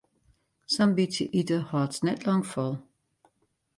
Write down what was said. Sa'n bytsje ite hâldst net lang fol.